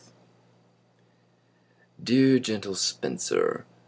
Dear, gentle Spenser!